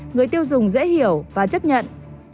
người tiêu dùng dễ hiểu và chấp nhận